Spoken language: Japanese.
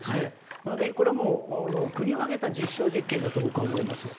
なのでこれはもう国を挙げた実証実験だと僕は思います。